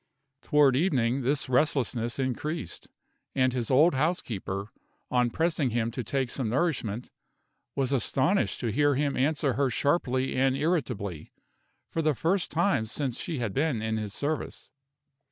Toward evening this restlessness increased, and his old housekeeper, on pressing him to take some nourishment, was astonished to hear him answer her sharply and irritably, for the first time since she had been in his service.